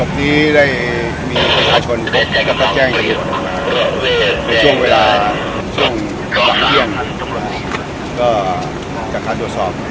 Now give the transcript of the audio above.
ก็แจ้งจะรู้ในช่วงเวลาช่วงหลังเยี่ยมก็จะคาดตรวจสอบ